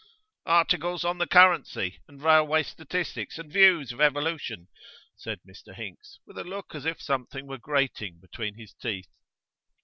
'Articles on the currency and railway statistics and views of evolution,' said Mr Hinks, with a look as if something were grating between his teeth.